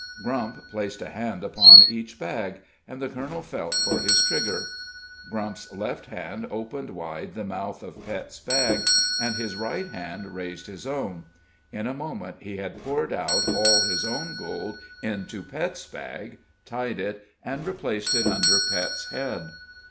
Grump placed a hand upon each bag, and the colonel felt for his trigger. Grump's left hand opened wide the mouth of Pet's bag, and his right hand raised his own; in a moment he had poured out all his own gold into Pet's bag, tied it, and replaced it under Pet's head.